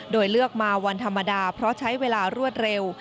โดยเลือกมาวันธรรมดาเพราะใช้เวลารวดเร็ว